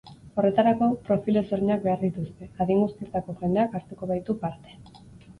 Horretarako, profil ezberdinak behar dituzte, adin guztietako jendeak hartuko baitu parte.